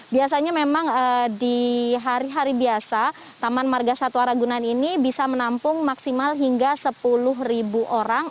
biasanya memang di hari hari biasa taman marga satwa ragunan ini bisa menampung maksimal hingga sepuluh orang